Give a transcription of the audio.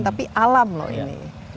tapi alam loh ini